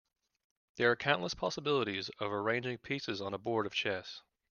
There are countless possibilities of arranging pieces on a board of chess.